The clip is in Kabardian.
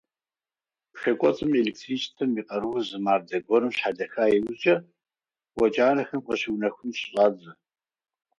Пшэ кӏуэцӏым электричествэм и къарур зы мардэ гуэрым щхьэдэха иужькӏэ, уэ кӏанэхэм къыщыунэхун щыщӏадзэ.